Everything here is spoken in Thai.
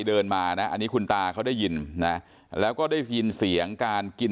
เดินมานะอันนี้คุณตาเขาได้ยินนะแล้วก็ได้ยินเสียงการกิน